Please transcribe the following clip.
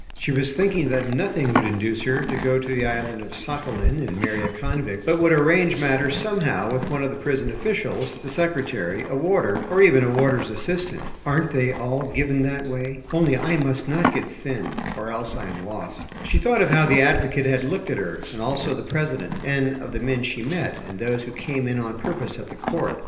She was thinking that nothing would induce her to go to the island of Sakhalin and marry a convict, but would arrange matters somehow with one of the prison officials, the secretary, a warder, or even a warder's assistant. "Aren't they all given that way? Only I must not get thin, or else I am lost." She thought of how the advocate had looked at her, and also the president, and of the men she met, and those who came in on purpose at the court.